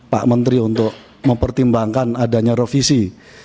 pak menteri untuk mempertimbangkan adanya revisi